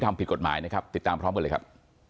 ทำผิดกฎหมายนะครับติดตามพร้อมกันเลยครับ